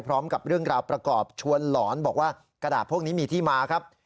พร้อมกับเรื่องราวประกอบชวนหลอนบอกว่ากระดาษพวกนี้มีที่มาครับ